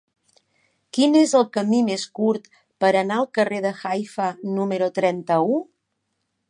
Quin és el camí més curt per anar al carrer de Haifa número trenta-u?